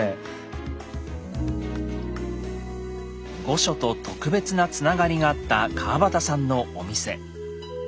御所と特別なつながりがあった川端さんのお店。